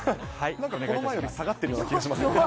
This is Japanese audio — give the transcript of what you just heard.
この前より下がってるような気がしますね。